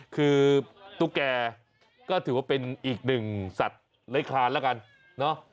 คือตุ๊กแก่ก็ถือว่าเป็นอีกหนึ่งสัตว์เล้ยคลานแล้วกันเนอะ